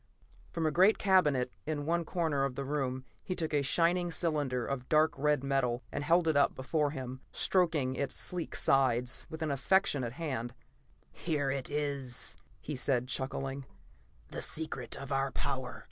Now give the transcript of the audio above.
From a great cabinet in one corner of the room he took a shining cylinder of dark red metal, and held it up before him, stroking its sleek sides with an affectionate hand. "Here it is," he said, chuckling. "The secret of our power.